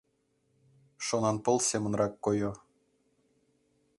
Шонанпыл семынрак койо.